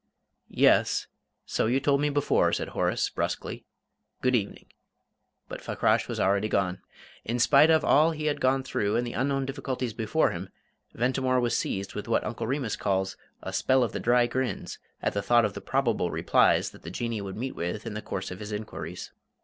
"Yes, so you told me before," said Horace, brusquely. "Good evening." But Fakrash was already gone. In spite of all he had gone through and the unknown difficulties before him, Ventimore was seized with what Uncle Remus calls "a spell of the dry grins" at the thought of the probable replies that the Jinnee would meet with in the course of his inquiries.